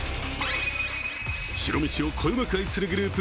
白飯をこよなく愛するグループ